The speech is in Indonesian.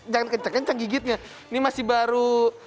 jangan kencang kencang gigitnya ini masih baru